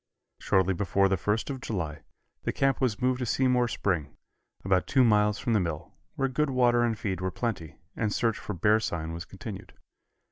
Shortly before the first of July the camp was moved to Seymore Spring, about two miles from the mill, where good water and feed were plenty, and search for bear sign was continued.